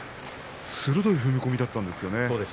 鋭い踏み込みだったんですよね。